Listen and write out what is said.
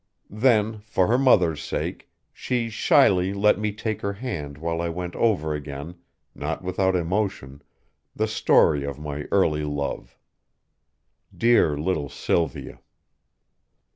Then, for her mother's sake, she shyly let me take her hand while I went over again, not without emotion, the story of my early love. Dear little Sylvia!